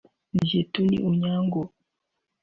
Zeituni Onyango